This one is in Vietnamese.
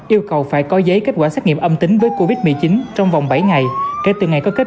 yêu cầu phải có giấy kết quả xét nghiệm âm tính với covid một mươi chín trong vòng bảy ngày kể từ ngày có kết